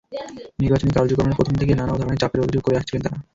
নির্বাচনী কার্যক্রমের প্রথম থেকে নানা ধরনের চাপের অভিযোগ করে আসছিলেন তাঁরা।